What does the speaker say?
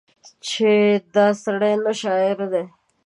چې دا سړی نه شاعر دی